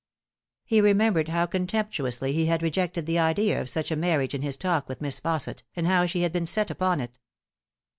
He remembered how contemptuously he had rejected the idea of such a marriage in his talk with Miss Fausset, and how she had been set upon it.